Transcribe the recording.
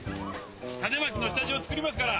種まきの下地を作りますから。